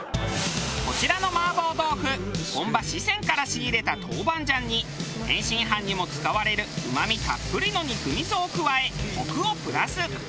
こちらの麻婆豆腐本場四川から仕入れた豆板醤に天津飯にも使われるうまみたっぷりの肉味噌を加えコクをプラス。